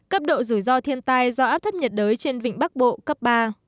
cấp độ rủi ro thiên tai do áp thấp nhiệt đới trên vịnh bắc bộ cấp ba